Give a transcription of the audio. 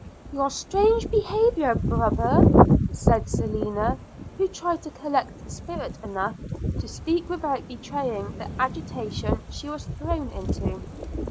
'Your strange behaviour, brother,' said Selina, who tried to collect spirit enough to speak without betraying the agitation she was thrown into.